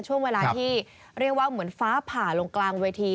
ช่วงเวลาที่เรียกว่าเหมือนฟ้าผ่าลงกลางเวที